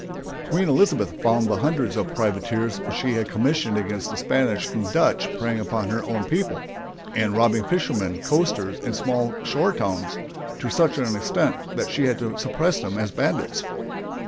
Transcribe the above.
Queen Elizabeth found the hundreds of privateers which she had commissioned against the Spanish and Dutch preying upon her own people, and robbing fishermen, coasters, and small shore towns, to such an extent that she had to suppress them as bandits.